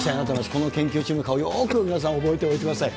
この研究チーム、よく皆さん覚えておいてください。